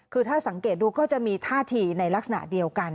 คือถ้าสังเกตดูก็จะมีท่าทีในลักษณะเดียวกัน